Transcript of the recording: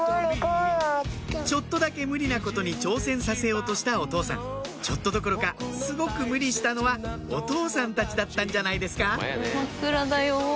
ちょっとだけ無理なことに挑戦させようとしたお父さんちょっとどころかすごく無理したのはお父さんたちだったんじゃないですか？